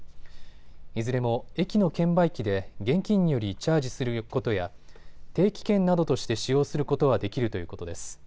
いずれも駅の券売機で現金によりチャージすることや定期券などとして使用することはできるということです。